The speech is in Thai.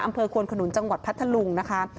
อำเภอโคลขนนุนจังหวัดพัทธลุงนะคะ